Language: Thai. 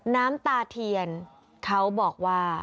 น้ำตาเทียนเขาบอกว่า